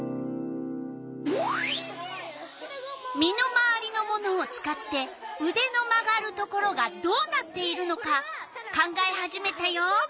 身の回りのものを使ってうでの曲がるところがどうなっているのか考え始めたよ。